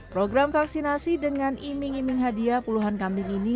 program vaksinasi dengan iming iming hadiah puluhan kambing ini